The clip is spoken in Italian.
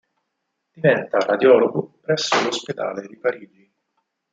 Diventa radiologo presso l’ospedale di Parigi.